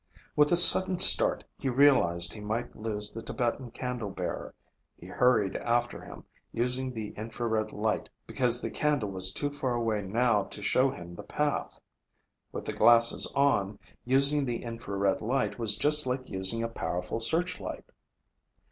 With a sudden start he realized he might lose the Tibetan candle bearer. He hurried after him, using the infrared light because the candle was too far away now to show him the path. With the glasses on, using the infrared light was just like using a powerful searchlight.